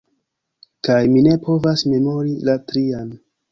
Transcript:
Kaj mi ne povas memori la trian!